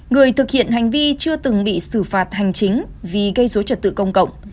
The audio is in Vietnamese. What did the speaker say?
người thực hiện hành vi chưa từng bị xử phạt hành chính vì gây dối trật tự công cộng